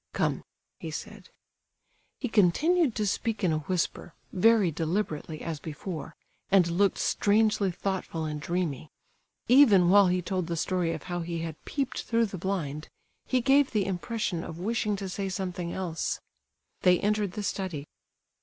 "Come," he said. He continued to speak in a whisper, very deliberately as before, and looked strangely thoughtful and dreamy. Even while he told the story of how he had peeped through the blind, he gave the impression of wishing to say something else. They entered the study.